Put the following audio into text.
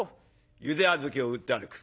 ゆで小豆を売って歩く。